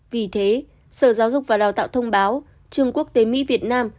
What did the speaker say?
vì thế sở giáo dục và đào tạo thông báo trường quốc tế mỹ việt nam